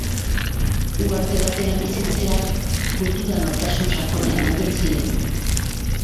Uharte batean bizitzeak kultura nortasun sakona ematen zien.